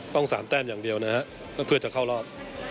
ต้อง๓แต้มอย่างเดียวนะครับเพื่อจะเข้ารอบ